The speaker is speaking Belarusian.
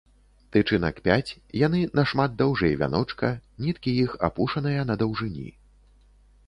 Тычынак пяць, яны нашмат даўжэй вяночка, ніткі іх апушаныя на даўжыні.